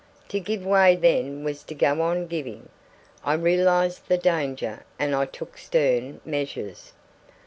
To give way then was to go on giving way. I realized the danger, and I took stern measures.